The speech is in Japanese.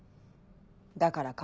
だから顔。